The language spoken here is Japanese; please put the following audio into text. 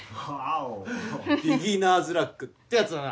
ビギナーズラックってやつだな。